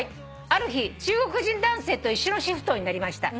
「ある日中国人男性と一緒のシフトになりました」